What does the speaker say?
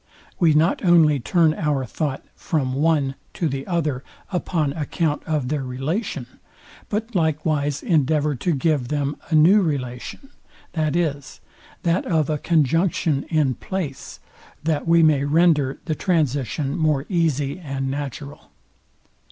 We not only turn our thought from one to the other upon account of their relation, but likewise endeavour to give them a new relation, viz. that of a CONJUNCTION IN PLACE, that we may render the transition more easy and natural.